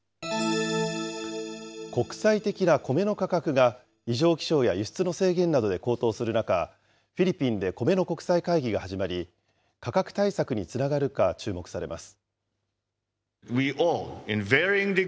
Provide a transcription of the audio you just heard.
国際的なコメの価格が異常気象や輸出の制限などで高騰する中、フィリピンでコメの国際会議が始まり、価格対策につながるか注目されます。